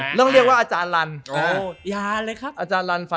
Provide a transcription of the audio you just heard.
ผมมีความรู้สึกนะ